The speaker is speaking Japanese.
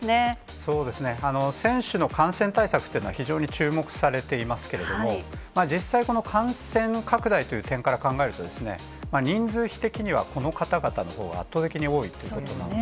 そうですね、選手の感染対策っていうのは非常に注目されていますけれども、実際、この感染拡大という点から考えるとですね、人数比的には、この方々のほうが圧倒的に多いということなんで。